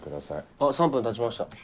あっ３分たちました。